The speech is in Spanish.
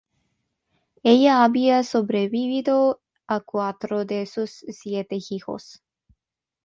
Ella había sobrevivido a cuatro de sus siete hijos.